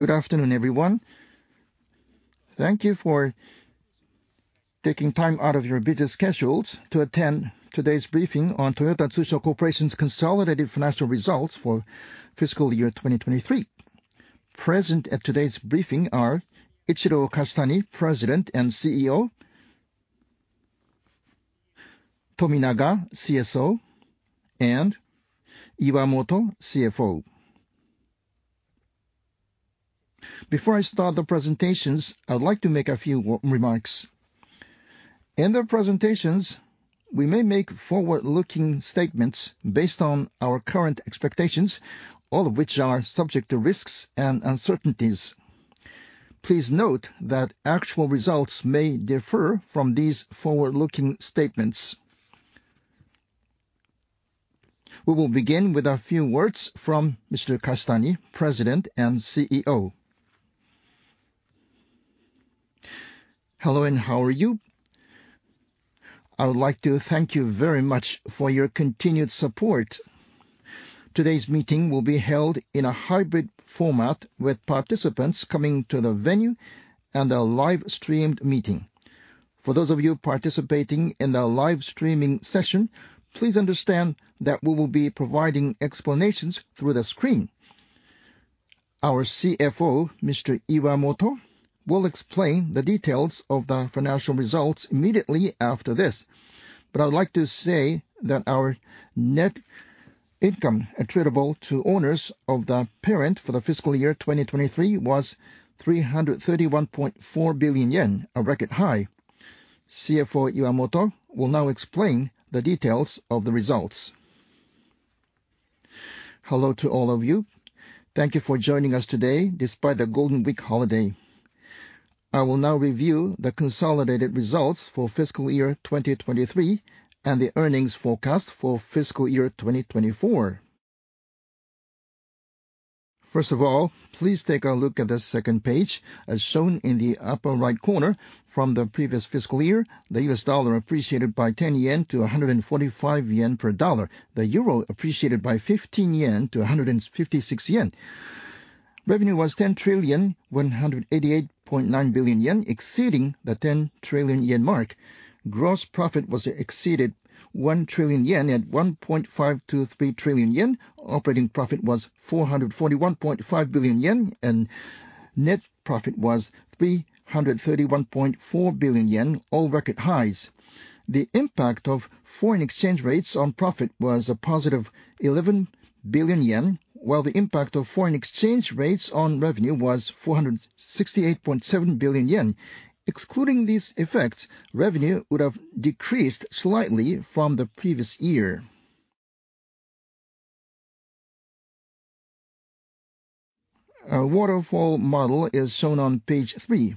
Good afternoon, everyone. Thank you for taking time out of your busy schedules to attend today's briefing on Toyota Tsusho Corporation's consolidated financial results for fiscal year 2023. Present at today's briefing are Ichiro Kashitani, President and CEO, Tominaga, CSO, and Iwamoto, CFO. Before I start the presentations, I'd like to make a few remarks. In the presentations, we may make forward-looking statements based on our current expectations, all of which are subject to risks and uncertainties. Please note that actual results may differ from these forward-looking statements. We will begin with a few words from Mr. Kashitani, President and CEO. Hello, and how are you? I would like to thank you very much for your continued support. Today's meeting will be held in a hybrid format, with participants coming to the venue and a live-streamed meeting. For those of you participating in the live streaming session, please understand that we will be providing explanations through the screen. Our CFO, Mr. Iwamoto, will explain the details of the financial results immediately after this. But I would like to say that our net income attributable to owners of the parent for the fiscal year 2023 was 331.4 billion yen, a record high. CFO Iwamoto will now explain the details of the results. Hello to all of you. Thank you for joining us today despite the Golden Week holiday. I will now review the consolidated results for fiscal year 2023, and the earnings forecast for fiscal year 2024. First of all, please take a look at the second page. As shown in the upper right corner, from the previous fiscal year, the U.S. dollar appreciated by 10 yen to 145 yen per dollar. The euro appreciated by 15 yen to 156 yen. Revenue was 10,188.9 billion yen, exceeding the 10 trillion yen mark. Gross profit was exceeded 1 trillion yen at 1.523 trillion yen. Operating profit was 441.5 billion yen, and net profit was 331.4 billion yen, all record highs. The impact of foreign exchange rates on profit was a positive 11 billion yen, while the impact of foreign exchange rates on revenue was 468.7 billion yen. Excluding these effects, revenue would have decreased slightly from the previous year. Our waterfall model is shown on page three.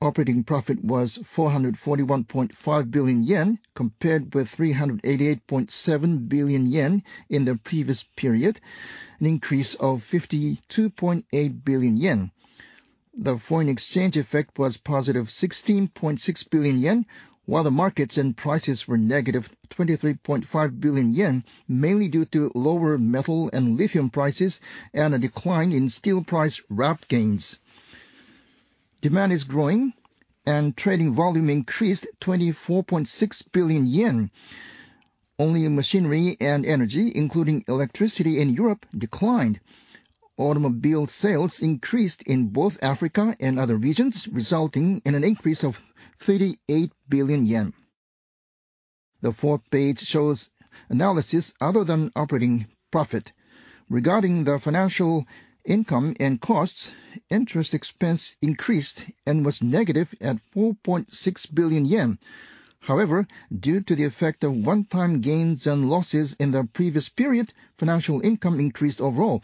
Operating profit was 441.5 billion yen, compared with 388.7 billion yen in the previous period, an increase of 52.8 billion yen. The foreign exchange effect was +16.6 billion yen, while the markets and prices were -23.5 billion yen, mainly due to lower metal and lithium prices, and a decline in steel price raft gains. Demand is growing, and trading volume increased 24.6 billion yen. Only in machinery and energy, including electricity in Europe, declined. Automobile sales increased in both Africa and other regions, resulting in an increase of 38 billion yen. The fourth page shows analysis other than operating profit. Regarding the financial income and costs, interest expense increased and was negative at 4.6 billion yen. However, due to the effect of one-time gains and losses in the previous period, financial income increased overall.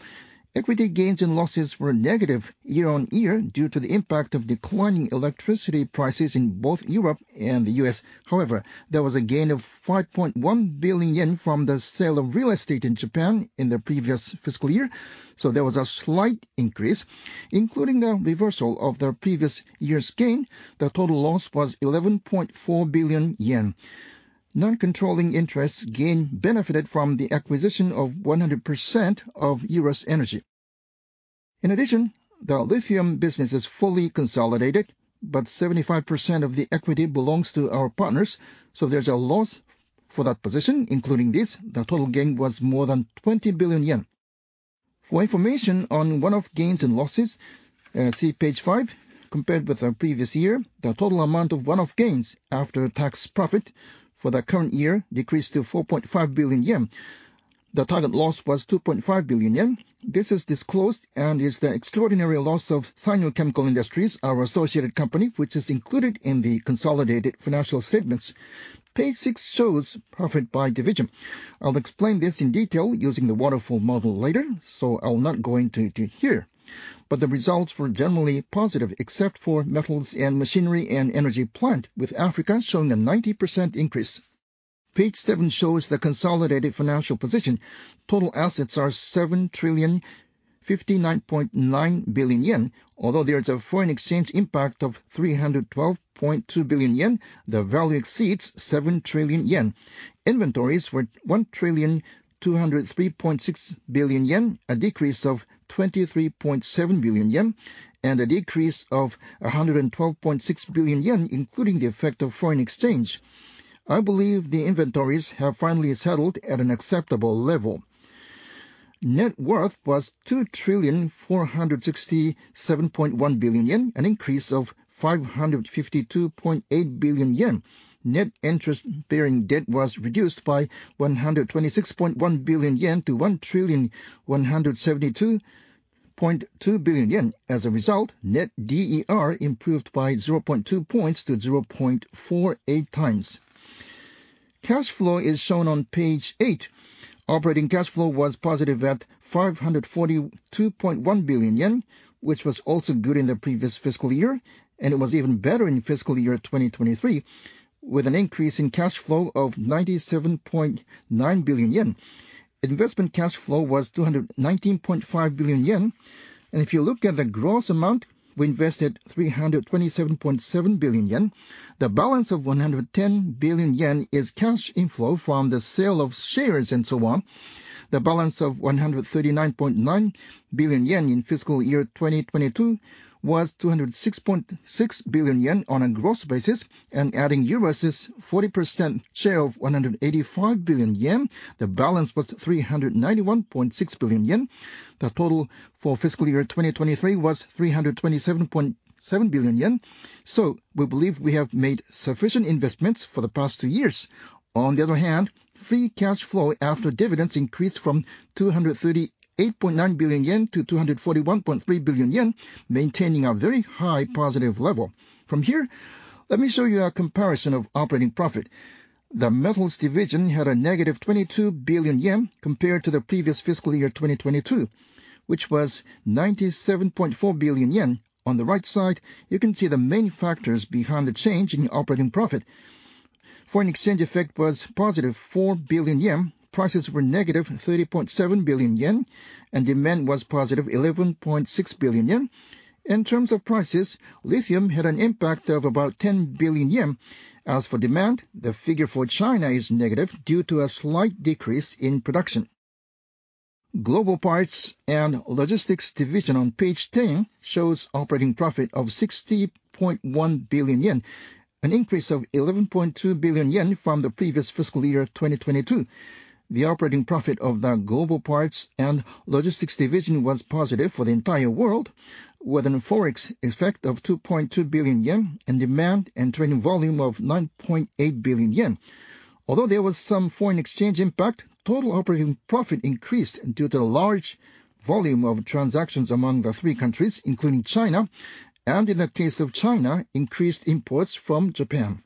Equity gains and losses were negative year-over-year due to the impact of declining electricity prices in both Europe and the U.S. However, there was a gain of 5.1 billion yen from the sale of real estate in Japan in the previous fiscal year, so there was a slight increase. Including the reversal of the previous year's gain, the total loss was 11.4 billion yen. Non-controlling interests gain benefited from the acquisition of 100% of Eurus Energy. In addition, the lithium business is fully consolidated, but 75% of the equity belongs to our partners, so there's a loss for that position. Including this, the total gain was more than 20 billion yen. For information on one-off gains and losses, see page five. Compared with the previous year, the total amount of one-off gains after-tax profit for the current year decreased to 4.5 billion yen. The target loss was 2.5 billion yen. This is disclosed and is the extraordinary loss of Sanyo Chemical Industries, our associated company, which is included in the consolidated financial statements. Page six shows profit by division. I'll explain this in detail using the waterfall model later, so I'll not go into it here. But the results were generally positive, except for metals and machinery and Energy Plant, with Africa showing a 90% increase.... Page seven shows the consolidated financial position. Total assets are 7,059.9 billion yen. Although there is a foreign exchange impact of 312.2 billion yen, the value exceeds 7 trillion yen. Inventories were 1,203.6 billion yen, a decrease of 23.7 billion yen, and a decrease of 112.6 billion yen, including the effect of foreign exchange. I believe the inventories have finally settled at an acceptable level. Net worth was 2,467.1 billion yen, an increase of 552.8 billion yen. Net interest bearing debt was reduced by 126.1 billion yen to 1,172.2 billion yen. As a result, net DER improved by 0.2 points to 0.48 times. Cash flow is shown on page Eight. Operating cash flow was positive at 542.1 billion yen, which was also good in the previous fiscal year, and it was even better in fiscal year 2023, with an increase in cash flow of 97.9 billion yen. Investment cash flow was 219.5 billion yen, and if you look at the gross amount, we invested 327.7 billion yen. The balance of 110 billion yen is cash inflow from the sale of shares and so on. The balance of 139.9 billion yen in fiscal year 2022 was 206.6 billion yen on a gross basis, and adding Eurus's 40% share of 185 billion yen, the balance was 391.6 billion yen. The total for fiscal year 2023 was 327.7 billion yen. So we believe we have made sufficient investments for the past two years. On the other hand, free cash flow after dividends increased from 238.9 billion yen to 241.3 billion yen, maintaining a very high positive level. From here, let me show you a comparison of operating profit. The Metals division had -22 billion yen compared to the previous fiscal year, 2022, which was 97.4 billion yen. On the right side, you can see the main factors behind the change in operating profit. Foreign exchange effect was +4 billion yen, prices were -30.7 billion yen, and demand was +11.6 billion yen. In terms of prices, lithium had an impact of about 10 billion yen. As for demand, the figure for China is negative due to a slight decrease in production. Global Parts and Logistics Division on page 10 shows operating profit of 60.1 billion yen, an increase of 11.2 billion yen from the previous fiscal year, 2022. The operating profit of the Global Parts and Logistics Division was positive for the entire world, with an Forex effect of 2.2 billion yen and demand and trading volume of 9.8 billion yen. Although there was some foreign exchange impact, total operating profit increased due to the large volume of transactions among the three countries, including China, and in the case of China, increased imports from Japan.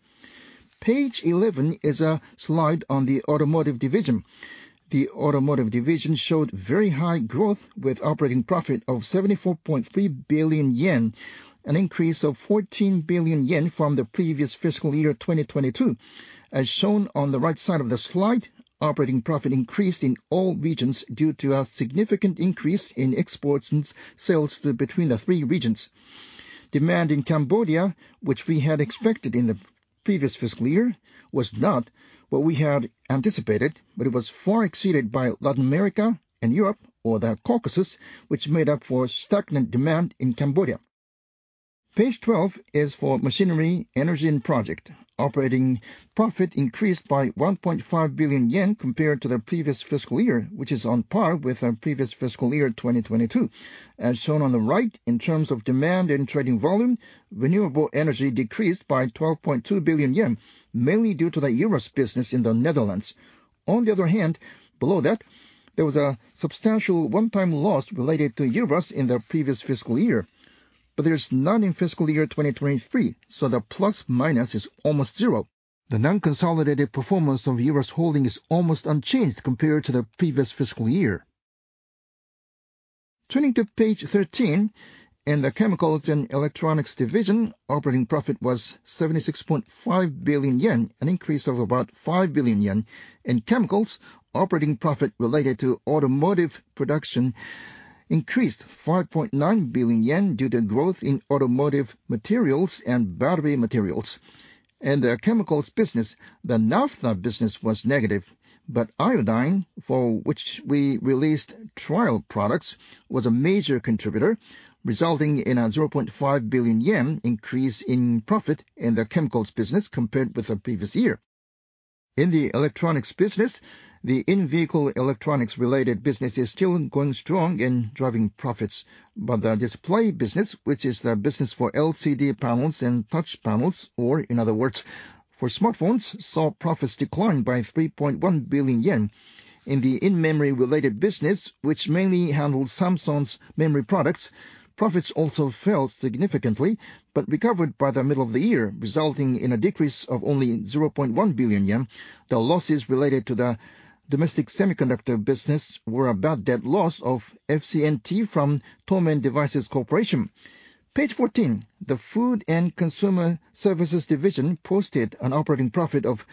Page 11 is a slide on the Automotive Division. The Automotive Division showed very high growth, with operating profit of 74.3 billion yen, an increase of 14 billion yen from the previous fiscal year, 2022. As shown on the right side of the slide, operating profit increased in all regions due to a significant increase in exports and sales to between the three regions. Demand in Cambodia, which we had expected in the previous fiscal year, was not what we had anticipated, but it was far exceeded by Latin America and Europe or the Caucasus, which made up for stagnant demand in Cambodia. Page 12 is for Machinery, Energy and Project. Operating profit increased by 1.5 billion yen compared to the previous fiscal year, which is on par with our previous fiscal year, 2022. As shown on the right, in terms of demand and trading volume, renewable energy decreased by 12.2 billion yen, mainly due to the Eurus business in the Netherlands. On the other hand, below that, there was a substantial one-time loss related to Eurus in the previous fiscal year, but there's none in fiscal year 2023, so the plus or minus is almost zero. The non-consolidated performance of Eurus Holding is almost unchanged compared to the previous fiscal year. Turning to page 13, in the Chemicals and Electronics Division, operating profit was 76.5 billion yen, an increase of about 5 billion yen. In chemicals, operating profit related to automotive production increased 5.9 billion yen due to growth in automotive materials and battery materials. In the chemicals business, the naphtha business was negative, but iodine, for which we released trial products, was a major contributor, resulting in a 0.5 billion yen increase in profit in the chemicals business compared with the previous year. In the electronics business, the in-vehicle electronics related business is still going strong in driving profits, but the display business, which is the business for LCD panels and touch panels, or in other words, for smartphones, saw profits decline by 3.1 billion yen. In the in-memory related business, which mainly handles Samsung's memory products, profits also fell significantly, but recovered by the middle of the year, resulting in a decrease of only 0.1 billion yen. The losses related to the domestic semiconductor business were a bad debt loss of FCNT from Tome and Devices Corporation. Page 14, the Food and Consumer Services Division posted an operating profit of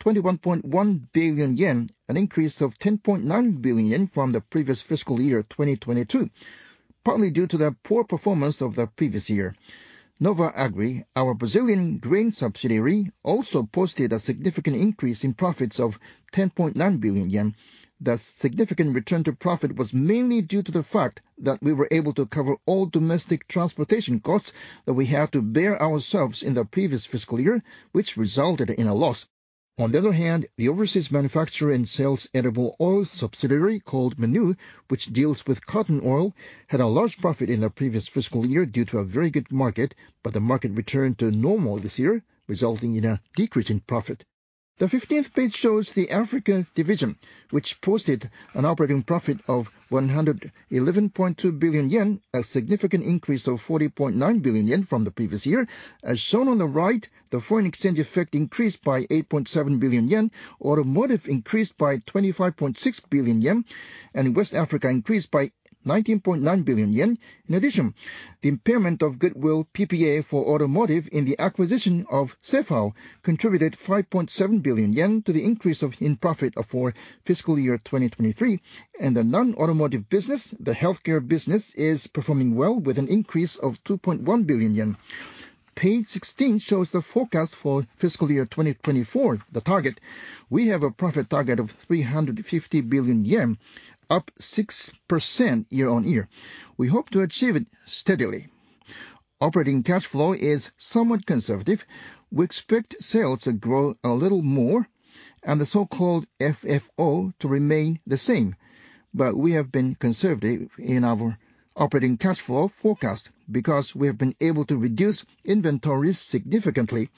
21.1 billion yen, an increase of 10.9 billion yen from the previous fiscal year, 2022, partly due to the poor performance of the previous year. NovaAgri, our Brazilian grain subsidiary, also posted a significant increase in profits of 10.9 billion yen. The significant return to profit was mainly due to the fact that we were able to cover all domestic transportation costs that we had to bear ourselves in the previous fiscal year, which resulted in a loss. On the other hand, the overseas manufacturer and sales edible oil subsidiary, called Manu, which deals with cotton oil, had a large profit in the previous fiscal year due to a very good market, but the market returned to normal this year, resulting in a decrease in profit. The 15th page shows the Africa division, which posted an operating profit of 111.2 billion yen, a significant increase of 40.9 billion yen from the previous year. As shown on the right, the foreign exchange effect increased by 8.7 billion yen, automotive increased by 25.6 billion yen, and West Africa increased by 19.9 billion yen. In addition, the impairment of goodwill PPA for automotive in the acquisition of CFAO contributed 5.7 billion yen to the increase in profit for fiscal year 2023. The non-automotive business, the healthcare business, is performing well with an increase of 2.1 billion yen. Page 16 shows the forecast for fiscal year 2024, the target. We have a profit target of 350 billion yen, up 6% year-on-year. We hope to achieve it steadily. Operating cash flow is somewhat conservative. We expect sales to grow a little more, and the so-called FFO to remain the same. But we have been conservative in our operating cash flow forecast because we have been able to reduce inventories significantly,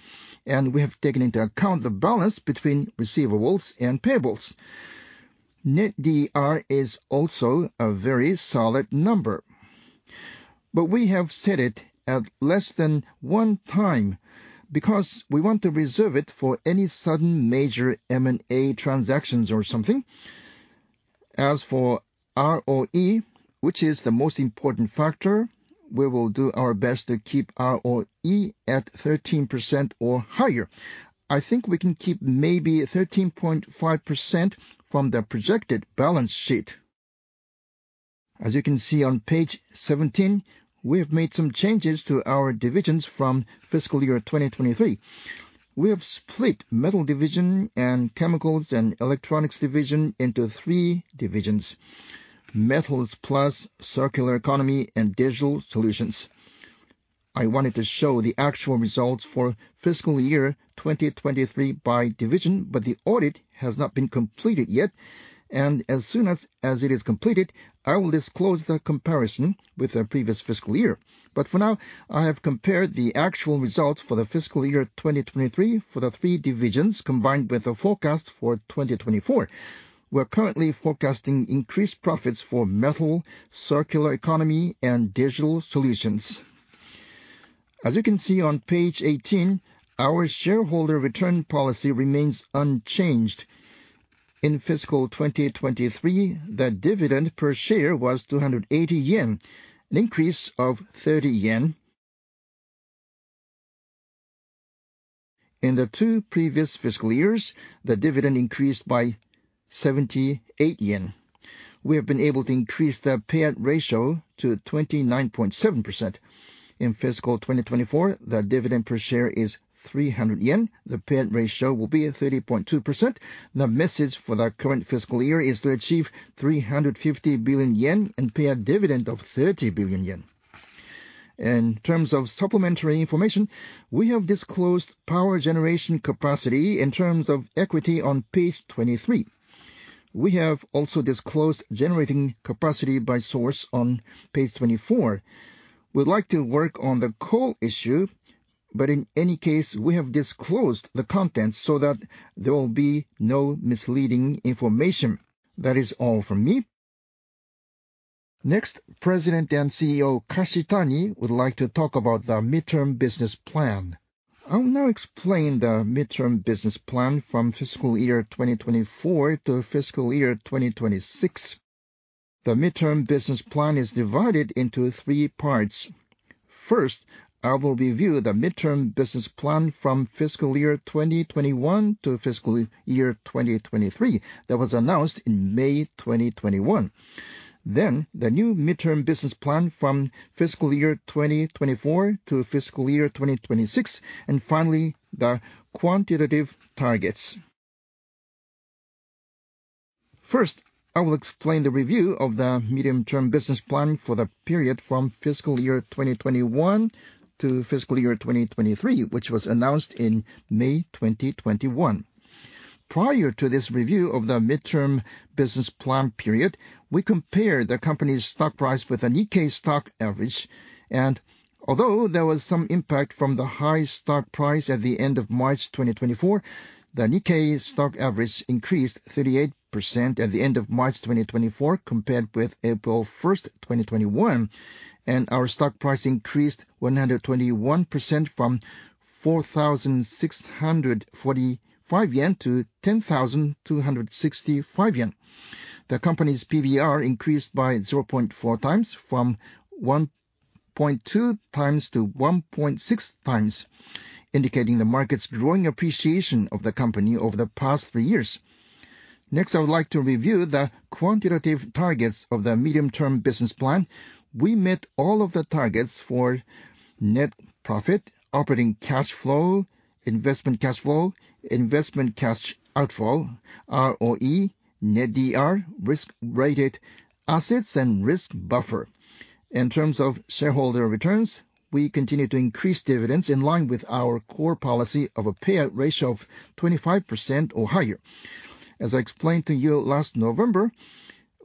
and we have taken into account the balance between receivables and payables. Net DER is also a very solid number, but we have set it at less than 1x because we want to reserve it for any sudden major M&A transactions or something. As for ROE, which is the most important factor, we will do our best to keep ROE at 13% or higher. I think we can keep maybe 13.5% from the projected balance sheet. As you can see on page 17, we have made some changes to our divisions from fiscal year 2023. We have split metal division and chemicals and electronics division into three divisions, Metals plus, Circular Economy, and Digital Solutions. I wanted to show the actual results for fiscal year 2023 by division, but the audit has not been completed yet, and as soon as, as it is completed, I will disclose the comparison with the previous fiscal year. But for now, I have compared the actual results for the fiscal year 2023 for the three divisions, combined with the forecast for 2024. We're currently forecasting increased profits for metal, circular economy, and digital solutions. As you can see on page 18, our shareholder return policy remains unchanged. In fiscal 2023, the dividend per share was 280 yen, an increase of 30 yen. In the two previous fiscal years, the dividend increased by 78 yen. We have been able to increase the payout ratio to 29.7%. In fiscal 2024, the dividend per share is 300 yen. The payout ratio will be 30.2%. The message for the current fiscal year is to achieve 350 billion yen and pay a dividend of 30 billion yen. In terms of supplementary information, we have disclosed power generation capacity in terms of equity on page 23. We have also disclosed generating capacity by source on page 24. We'd like to work on the coal issue, but in any case, we have disclosed the contents so that there will be no misleading information. That is all from me. Next, President and CEO Kashitani would like to talk about the midterm business plan. I'll now explain the midterm business plan from fiscal year 2024 to fiscal year 2026. The midterm business plan is divided into three parts. First, I will review the midterm business plan from fiscal year 2021 to fiscal year 2023, that was announced in May 2021. Then, the new midterm business plan from fiscal year 2024 to fiscal year 2026, and finally, the quantitative targets. First, I will explain the review of the medium-term business plan for the period from fiscal year 2021 to fiscal year 2023, which was announced in May 2021. Prior to this review of the midterm business plan period, we compared the company's stock price with the Nikkei Stock Average, and although there was some impact from the high stock price at the end of March 2024, the Nikkei Stock Average increased 38% at the end of March 2024, compared with April 1, 2021. Our stock price increased 121% from 4,645 yen to 10,265 yen. The company's PBR increased by 0.4x, from 1.2x to 1.6x, indicating the market's growing appreciation of the company over the past 3 years. Next, I would like to review the quantitative targets of the medium-term business plan. We met all of the targets for net profit, operating cash flow, investment cash flow, investment cash outflow, ROE, net DER, risk-rated assets, and risk buffer. In terms of shareholder returns, we continue to increase dividends in line with our core policy of a payout ratio of 25% or higher. As I explained to you last November,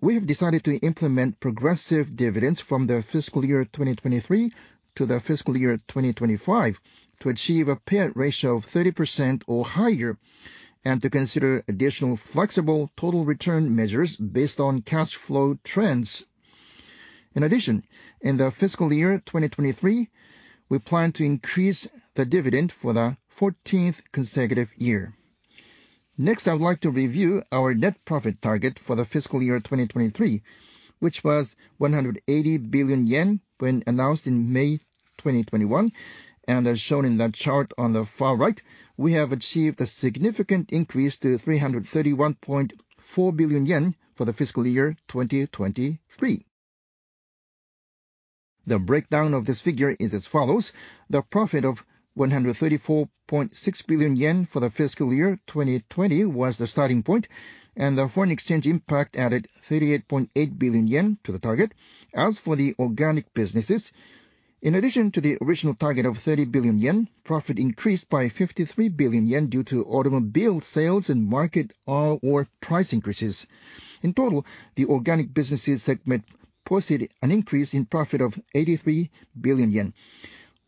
we have decided to implement progressive dividends from the fiscal year 2023 to the fiscal year 2025, to achieve a payout ratio of 30% or higher, and to consider additional flexible total return measures based on cash flow trends. In addition, in the fiscal year 2023, we plan to increase the dividend for the 14th consecutive year. Next, I would like to review our net profit target for the fiscal year 2023, which was 180 billion yen when announced in May 2021. As shown in that chart on the far right, we have achieved a significant increase to 331.4 billion yen for the fiscal year 2023. The breakdown of this figure is as follows: the profit of 134.6 billion yen for the fiscal year 2020 was the starting point, and the foreign exchange impact added 38.8 billion yen to the target. As for the organic businesses, in addition to the original target of 30 billion yen, profit increased by 53 billion yen due to automobile sales and market or price increases. In total, the organic businesses segment posted an increase in profit of 83 billion yen.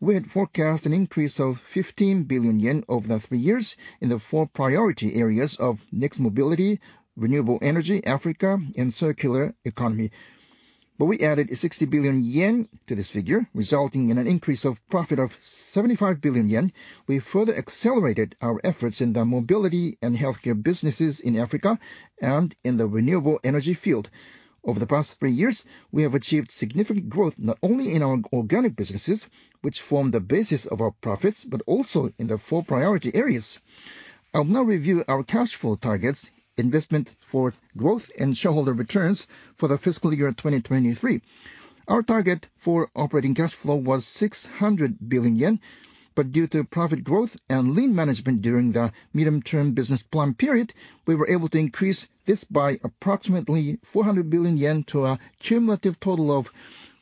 We had forecast an increase of 15 billion yen over the 3 years in the four priority areas of next mobility, renewable energy, Africa, and circular economy. But we added 60 billion yen to this figure, resulting in an increase of profit of 75 billion yen. We further accelerated our efforts in the mobility and healthcare businesses in Africa and in the renewable energy field. Over the past 3 years, we have achieved significant growth, not only in our organic businesses, which form the basis of our profits, but also in the four priority areas. I'll now review our cash flow targets, investment for growth, and shareholder returns for the fiscal year 2023. Our target for operating cash flow was 600 billion yen, but due to profit growth and lean management during the medium-term business plan period, we were able to increase this by approximately 400 billion yen to a cumulative total of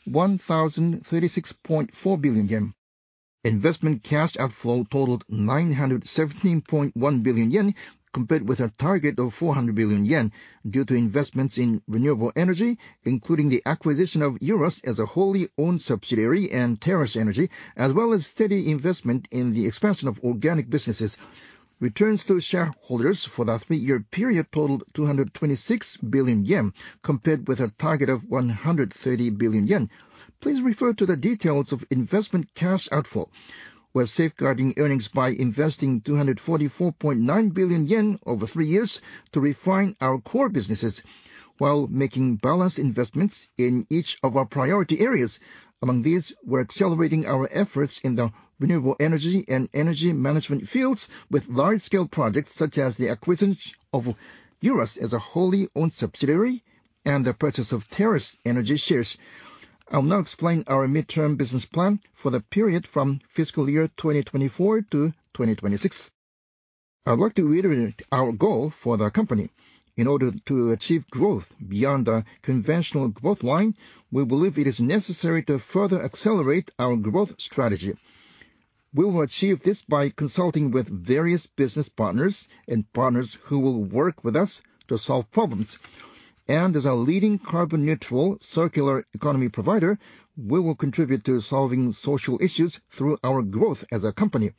1,036.4 billion yen. Investment cash outflow totaled 917.1 billion yen, compared with a target of 400 billion yen, due to investments in renewable energy, including the acquisition of Eurus as a wholly owned subsidiary and Terras Energy, as well as steady investment in the expansion of organic businesses. Returns to shareholders for the 3-year period totaled 226 billion yen, compared with a target of 130 billion yen. Please refer to the details of investment cash outflow. We're safeguarding earnings by investing 244.9 billion yen over 3 years to refine our core businesses, while making balanced investments in each of our priority areas. Among these, we're accelerating our efforts in the renewable energy and energy management fields with large-scale projects, such as the acquisition of Eurus as a wholly owned subsidiary and the purchase of Terras Energy shares. I'll now explain our midterm business plan for the period from fiscal year 2024 to 2026. I would like to reiterate our goal for the company. In order to achieve growth beyond the conventional growth line, we believe it is necessary to further accelerate our growth strategy. We will achieve this by consulting with various business partners and partners who will work with us to solve problems. As a leading carbon-neutral circular economy provider, we will contribute to solving social issues through our growth as a company.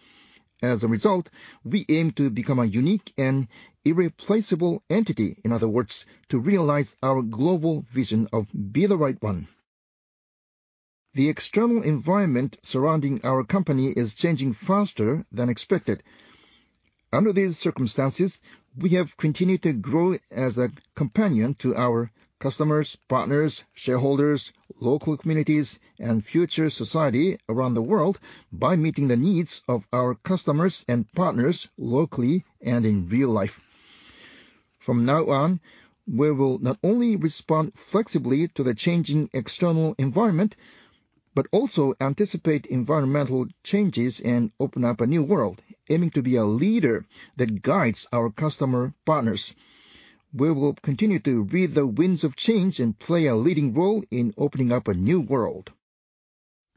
As a result, we aim to become a unique and irreplaceable entity, in other words, to realize our global vision of "Be the Right One." The external environment surrounding our company is changing faster than expected. Under these circumstances, we have continued to grow as a companion to our customers, partners, shareholders, local communities, and future society around the world by meeting the needs of our customers and partners locally and in real life. From now on, we will not only respond flexibly to the changing external environment, but also anticipate environmental changes and open up a new world, aiming to be a leader that guides our customer partners. We will continue to reap the winds of change and play a leading role in opening up a new world.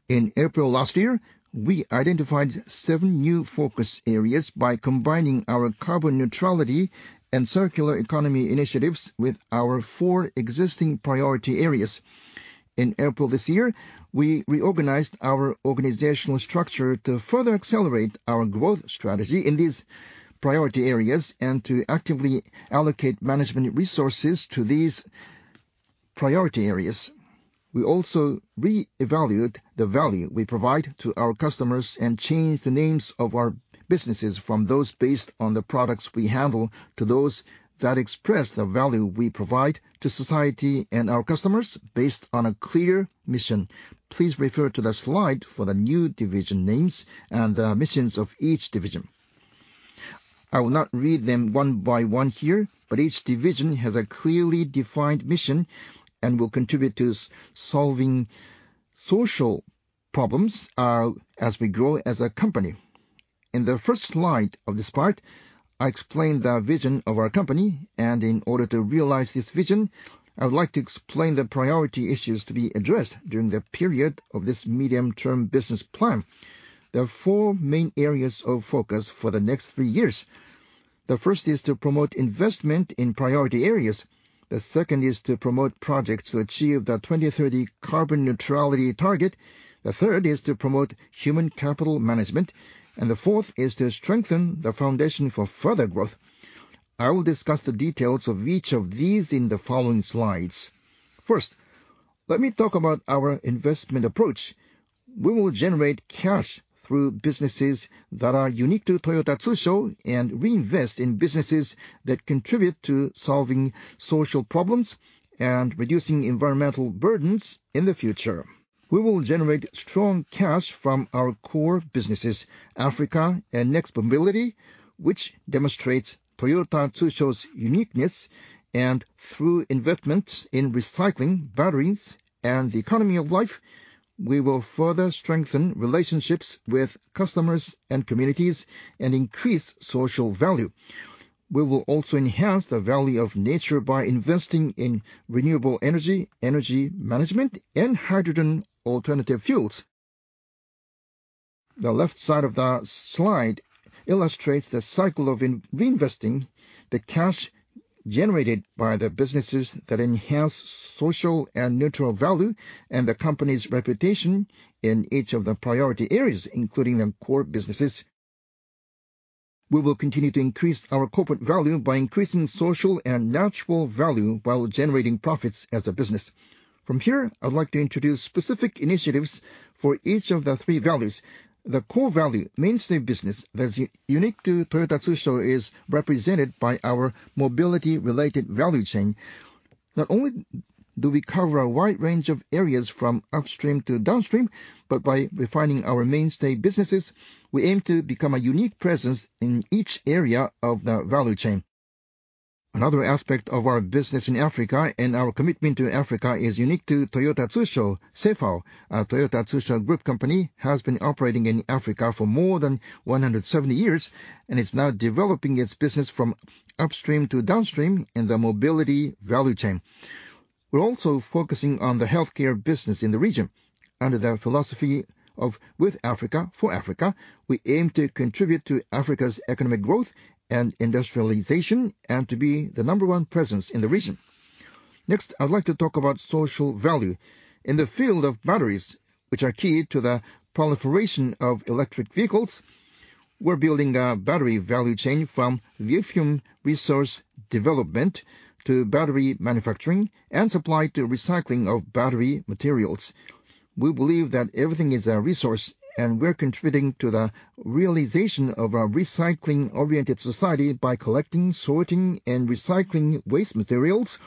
In April last year, we identified seven new focus areas by combining our carbon-neutrality and circular economy initiatives with our four existing priority areas. In April this year, we reorganized our organizational structure to further accelerate our growth strategy in these priority areas and to actively allocate management resources to these priority areas. We also re-evaluated the value we provide to our customers and changed the names of our businesses from those based on the products we handle, to those that express the value we provide to society and our customers based on a clear mission. Please refer to the slide for the new division names and the missions of each division. I will not read them one by one here, but each division has a clearly defined mission and will contribute to solving social problems as we grow as a company. In the first slide of this part, I explained the vision of our company, and in order to realize this vision, I would like to explain the priority issues to be addressed during the period of this medium-term business plan. There are four main areas of focus for the next 3 years. The first is to promote investment in priority areas. The second is to promote projects to achieve the 2030 carbon-neutrality target. The third is to promote human capital management, and the fourth is to strengthen the foundation for further growth. I will discuss the details of each of these in the following slides. First, let me talk about our investment approach. We will generate cash through businesses that are unique to Toyota Tsusho, and reinvest in businesses that contribute to solving social problems and reducing environmental burdens in the future. We will generate strong cash from our core businesses, Africa and Next Mobility, which demonstrates Toyota Tsusho's uniqueness. Through investment in recycling batteries and the Economy of Life, we will further strengthen relationships with customers and communities, and increase social value. We will also enhance the value of nature by investing in renewable energy, energy management, and hydrogen alternative fuels. The left side of the slide illustrates the cycle of reinvesting the cash generated by the businesses that enhance social and natural value, and the company's reputation in each of the priority areas, including the core businesses. We will continue to increase our corporate value by increasing social and natural value while generating profits as a business. From here, I'd like to introduce specific initiatives for each of the three values. The core value, mainstay business, that's unique to Toyota Tsusho, is represented by our mobility-related value chain. Not only do we cover a wide range of areas from upstream to downstream, but by refining our mainstay businesses, we aim to become a unique presence in each area of the value chain. Another aspect of our business in Africa and our commitment to Africa is unique to Toyota Tsusho. CFAO, Toyota Tsusho Group company, has been operating in Africa for more than 170 years, and is now developing its business from upstream to downstream in the mobility value chain. We're also focusing on the healthcare business in the region. Under the philosophy of with Africa, for Africa, we aim to contribute to Africa's economic growth and industrialization, and to be the number one presence in the region. Next, I'd like to talk about social value. In the field of batteries, which are key to the proliferation of electric vehicles, we're building a battery value chain from lithium resource development to battery manufacturing and supply, to recycling of battery materials. We believe that everything is a resource, and we're contributing to the realization of a recycling-oriented society by collecting, sorting, and recycling waste materials,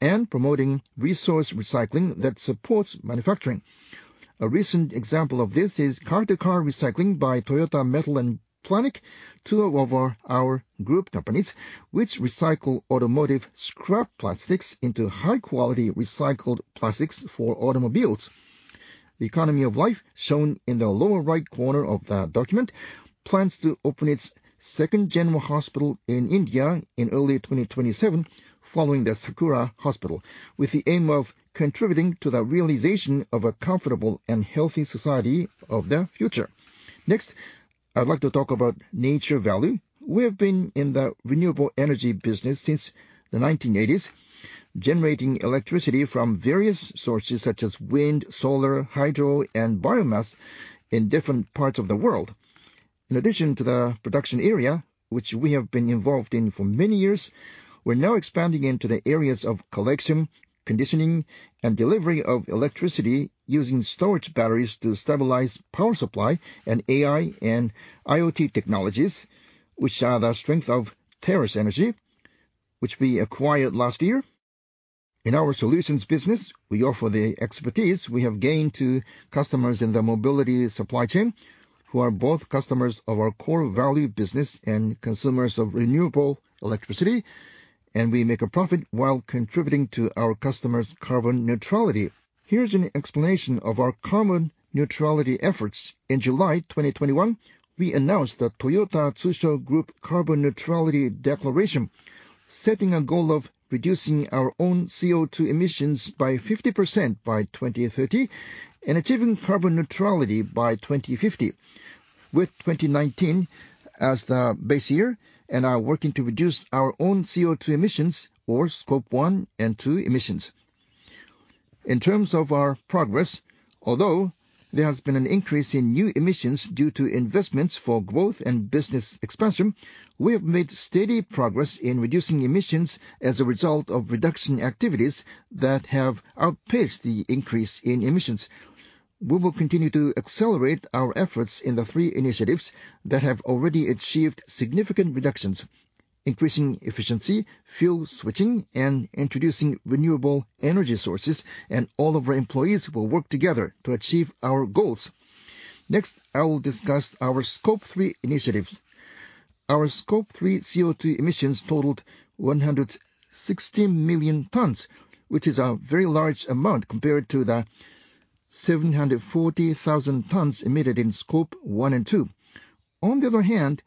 and promoting resource recycling that supports manufacturing. A recent example of this is car-to-car recycling by Toyota Metal and Planic, two of our group companies, which recycle automotive scrap plastics into high-quality recycled plastics for automobiles. The Economy of Life, shown in the lower right corner of the document, plans to open its second general hospital in India in early 2027, following the Sakura Hospital, with the aim of contributing to the realization of a comfortable and healthy society of the future. Next, I'd like to talk about nature value. We have been in the renewable energy business since the 1980s, generating electricity from various sources such as wind, solar, hydro, and biomass in different parts of the world. In addition to the production area, which we have been involved in for many years, we're now expanding into the areas of collection, conditioning, and delivery of electricity using storage batteries to stabilize power supply and AI and IoT technologies, which are the strength of Terras Energy, which we acquired last year. In our solutions business, we offer the expertise we have gained to customers in the mobility supply chain, who are both customers of our core value business and consumers of renewable electricity, and we make a profit while contributing to our customers' carbon-neutrality. Here's an explanation of our carbon-neutrality efforts. In July 2021, we announced the Toyota Tsusho Group carbon-neutrality Declaration, setting a goal of reducing our own CO2 emissions by 50% by 2030, and achieving carbon-neutrality by 2050, with 2019 as the base year, and are working to reduce our own CO2 emissions, or Scope 1 and 2 emissions. In terms of our progress, although there has been an increase in new emissions due to investments for growth and business expansion, we have made steady progress in reducing emissions as a result of reduction activities that have outpaced the increase in emissions. We will continue to accelerate our efforts in the three initiatives that have already achieved significant reductions: increasing efficiency, fuel switching, and introducing renewable energy sources, and all of our employees will work together to achieve our goals. Next, I will discuss our Scope 3 initiatives. Our Scope 3 CO2 emissions totaled 116 million tons, which is a very large amount compared to the 740,000 tons emitted in Scope 1 and 2. On the other hand,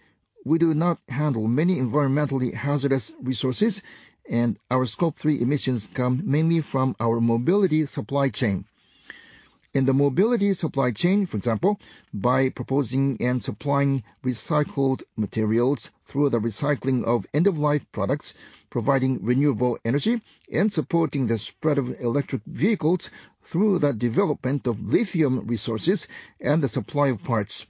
we do not handle many environmentally hazardous resources, and our Scope 3 emissions come mainly from our mobility supply chain. In the mobility supply chain, for example, by proposing and supplying recycled materials through the recycling of end-of-life products, providing renewable energy, and supporting the spread of electric vehicles through the development of lithium resources and the supply of parts,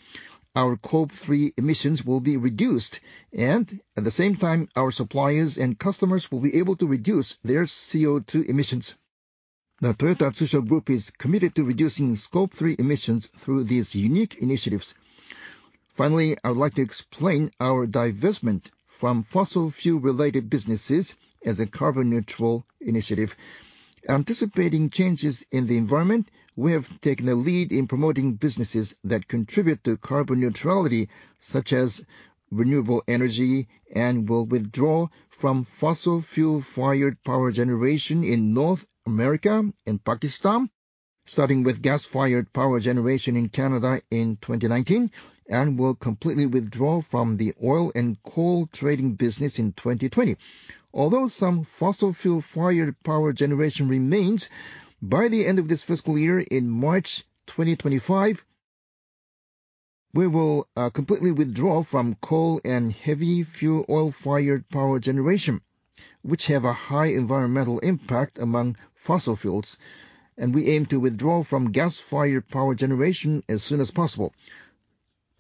our Scope 3 emissions will be reduced, and at the same time, our suppliers and customers will be able to reduce their CO2 emissions. The Toyota Tsusho Group is committed to reducing Scope 3 emissions through these unique initiatives. Finally, I would like to explain our divestment from fossil fuel-related businesses as a carbon-neutral initiative. Anticipating changes in the environment, we have taken a lead in promoting businesses that contribute to carbon-neutrality, such as renewable energy, and will withdraw from fossil fuel-fired power generation in North America and Pakistan, starting with gas-fired power generation in Canada in 2019, and will completely withdraw from the oil and coal trading business in 2020. Although some fossil fuel-fired power generation remains, by the end of this fiscal year, in March 2025, we will completely withdraw from coal and heavy fuel oil-fired power generation, which have a high environmental impact among fossil fuels, and we aim to withdraw from gas-fired power generation as soon as possible.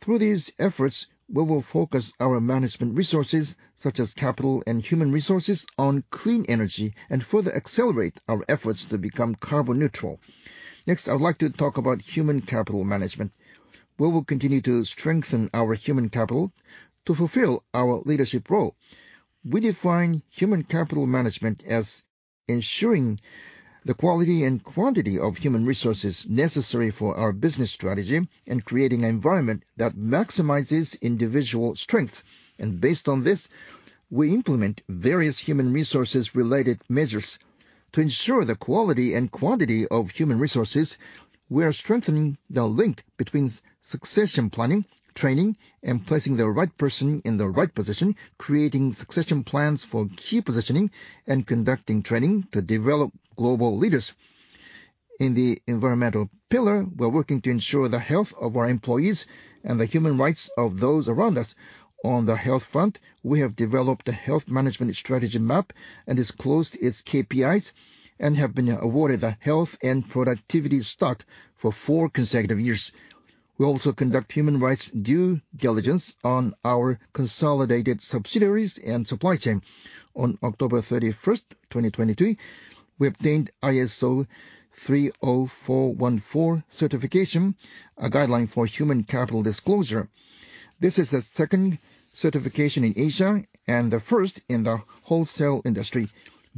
Through these efforts, we will focus our management resources, such as capital and human resources, on clean energy and further accelerate our efforts to become carbon-neutral. Next, I'd like to talk about human capital management. We will continue to strengthen our human capital to fulfill our leadership role. We define human capital management as ensuring the quality and quantity of human resources necessary for our business strategy and creating an environment that maximizes individual strength. Based on this, we implement various human resources-related measures. To ensure the quality and quantity of human resources, we are strengthening the link between succession planning, training, and placing the right person in the right position, creating succession plans for key positioning, and conducting training to develop global leaders. In the environmental pillar, we're working to ensure the health of our employees and the human rights of those around us. On the health front, we have developed a health management strategy map and disclosed its KPIs and have been awarded a Health and Productivity Stock for four consecutive years. We also conduct human rights due diligence on our consolidated subsidiaries and supply chain. On October 31, 2022, we obtained ISO 30414 certification, a guideline for human capital disclosure. This is the second certification in Asia and the first in the wholesale industry.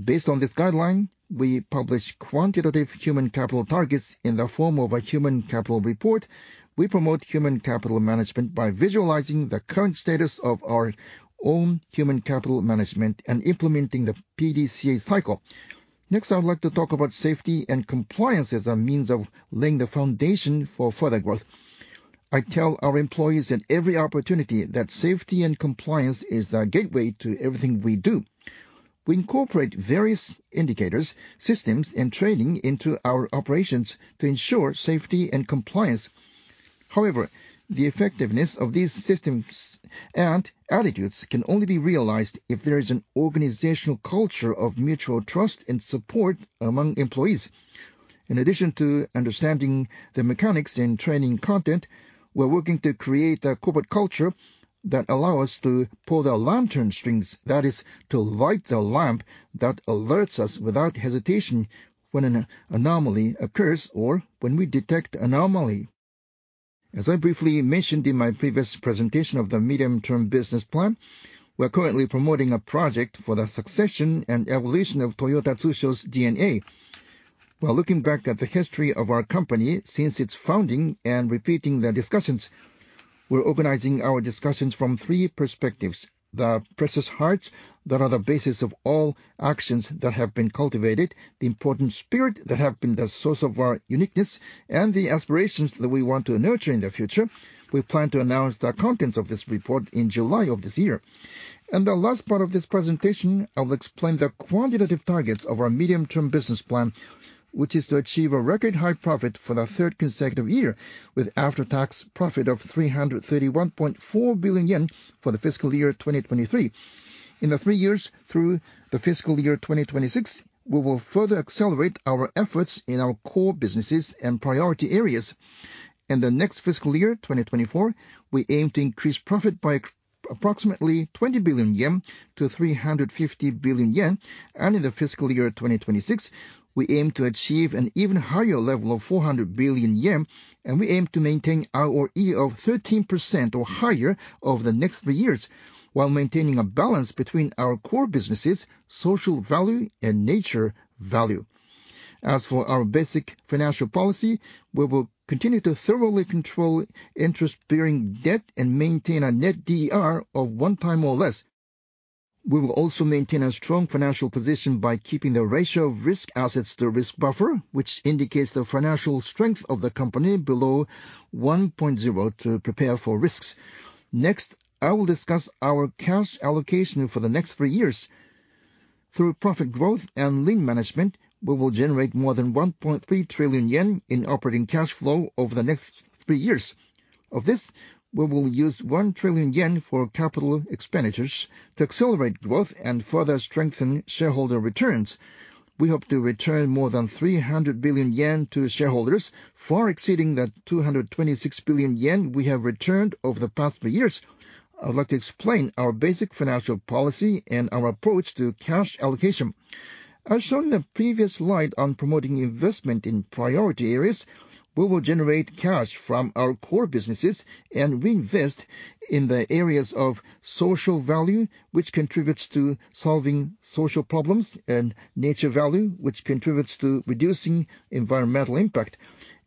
Based on this guideline, we publish quantitative human capital targets in the form of a human capital report. We promote human capital management by visualizing the current status of our own human capital management and implementing the PDCA cycle. Next, I would like to talk about safety and compliance as a means of laying the foundation for further growth. I tell our employees at every opportunity that safety and compliance is the gateway to everything we do. We incorporate various indicators, systems, and training into our operations to ensure safety and compliance. However, the effectiveness of these systems and attitudes can only be realized if there is an organizational culture of mutual trust and support among employees. In addition to understanding the mechanics and training content, we're working to create a corporate culture that allow us to pull the lantern strings. That is, to light the lamp that alerts us without hesitation when an anomaly occurs or when we detect anomaly. As I briefly mentioned in my previous presentation of the medium-term business plan, we're currently promoting a project for the succession and evolution of Toyota Tsusho's DNA. While looking back at the history of our company since its founding and repeating the discussions, we're organizing our discussions from three perspectives: the precious hearts that are the basis of all actions that have been cultivated, the important spirit that have been the source of our uniqueness, and the aspirations that we want to nurture in the future. We plan to announce the contents of this report in July of this year. In the last part of this presentation, I will explain the quantitative targets of our medium-term business plan, which is to achieve a record-high profit for the third consecutive year, with after-tax profit of 331.4 billion yen for the fiscal year 2023. In the 3 years through the fiscal year 2026, we will further accelerate our efforts in our core businesses and priority areas. In the next fiscal year, 2024, we aim to increase profit by approximately 20 billion yen to 350 billion yen. In the fiscal year 2026, we aim to achieve an even higher level of 400 billion yen, and we aim to maintain ROE of 13% or higher over the next 3 years, while maintaining a balance between our core businesses, social value, and nature value. As for our basic financial policy, we will continue to thoroughly control interest-bearing debt and maintain a net DER of 1x or less. We will also maintain a strong financial position by keeping the ratio of risk assets to risk buffer, which indicates the financial strength of the company, below 1.0 to prepare for risks. Next, I will discuss our cash allocation for the next 3 years. Through profit growth and lean management, we will generate more than 1.3 trillion yen in operating cash flow over the next 3 years. Of this, we will use 1 trillion yen for capital expenditures to accelerate growth and further strengthen shareholder returns. We hope to return more than 300 billion yen to shareholders, far exceeding the 226 billion yen we have returned over the past 3 years. I'd like to explain our basic financial policy and our approach to cash allocation. As shown in the previous slide on promoting investment in priority areas, we will generate cash from our core businesses and reinvest in the areas of social value, which contributes to solving social problems, and nature value, which contributes to reducing environmental impact.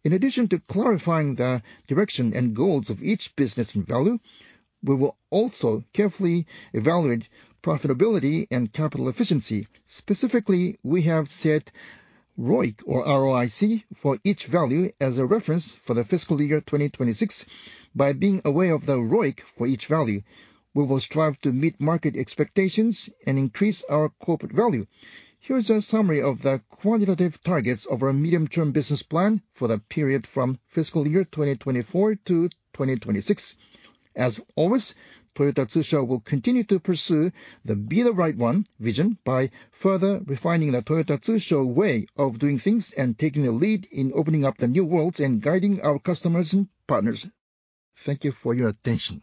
In addition to clarifying the direction and goals of each business and value, we will also carefully evaluate profitability and capital efficiency. Specifically, we have set ROIC or R-O-I-C for each value as a reference for the fiscal year 2026. By being aware of the ROIC for each value, we will strive to meet market expectations and increase our corporate value. Here is a summary of the quantitative targets of our medium-term business plan for the period from fiscal year 2024 to 2026. As always, Toyota Tsusho will continue to pursue the Be the Right One vision by further refining the Toyota Tsusho way of doing things and taking a lead in opening up the new worlds and guiding our customers and partners. Thank you for your attention.